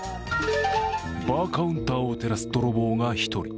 バーカウンターを照らす泥棒が１人。